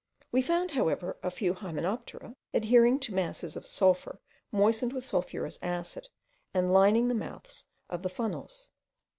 We found however a few hymenoptera adhering to masses of sulphur moistened with sulphurous acid, and lining the mouths of the funnels.